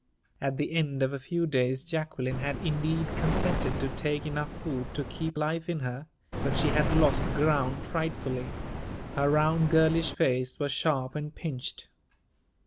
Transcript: At the end of a few days Jacqueline had indeed consented to take enough food to keep life in her, but she had lost ground frightfully. Her round, girlish face was sharp and pinched.